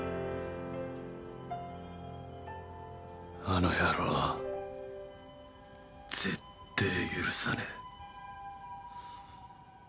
あの野郎絶対許さねえ。